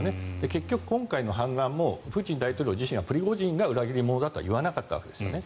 結局、今回の反乱もプーチン大統領自身はプリゴジンが裏切り者だとは言わなかったわけですね。